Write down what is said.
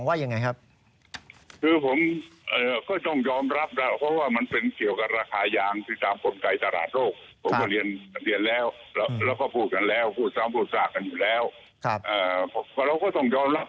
พูดซ้ำพูดสรากันอยู่แล้วเราก็ต้องยอมรับ